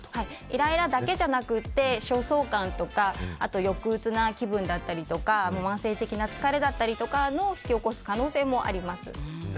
イライラだけじゃなくて焦燥感とかあと、抑うつな気分だったりとか慢性的な疲れだったりを引き起こす可能性もあります。